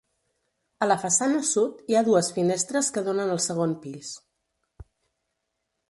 A la façana sud hi ha dues finestres que donen al segon pis.